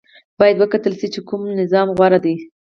باید وکتل شي چې کوم نظام غوره دی.